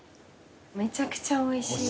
めちゃくちゃおいしい。